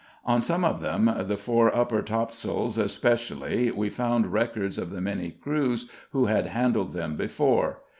On some of them, the fore upper tops'l especially, we found records of the many crews who had handled them before.